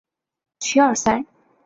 Sure, sir?